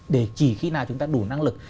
để chỉ khi nào chúng ta đủ năng lực